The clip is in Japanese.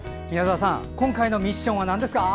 宮澤さん、今回のミッションは？